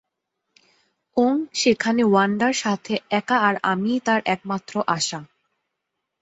ওং সেখানে ওয়ান্ডার সাথে একা আর আমিই তার একমাত্র আশা।